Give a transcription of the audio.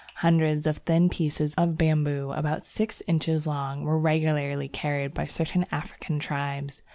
Hundreds of thin pieces of bamboo about six inches long were regularly carried by certain African tribes.